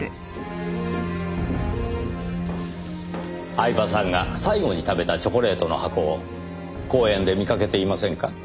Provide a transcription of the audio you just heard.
饗庭さんが最後に食べたチョコレートの箱を公園で見かけていませんか？